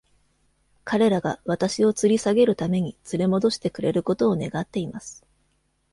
彼らが私を吊り下げるために連れ戻してくれることを願っています。